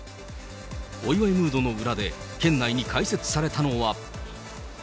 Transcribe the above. お祝いムードの裏で、県内に開設されたのは。